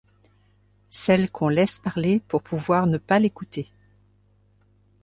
Celle qu'on laisse parler pour pouvoir ne pas l'écouter.